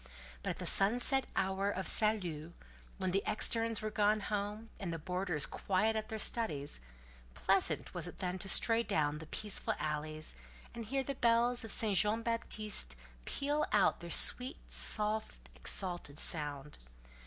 But at sunset or the hour of salut, when the externes were gone home, and the boarders quiet at their studies; pleasant was it then to stray down the peaceful alleys, and hear the bells of St. Jean Baptiste peal out with their sweet, soft, exalted sound.